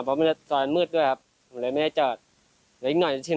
เพราะมันซ้ายมืดด้วยครับผมเลยไม่ได้จอด